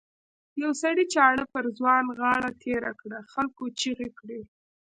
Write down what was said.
یوه سړي چاړه پر ځوان غاړه تېره کړه خلکو چیغې کړې.